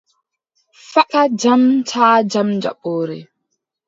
Fagga jam taa jam jaɓore.